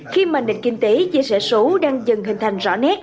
khi mà nền kinh tế chia sẻ số đang dần hình thành rõ nét